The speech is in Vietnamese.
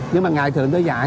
nhưng mà ngày thường tôi dạy